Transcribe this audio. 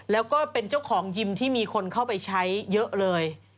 แล้วก็เป็นเจ้าของยิมที่มีคนเข้าไปใช้เยอะเลย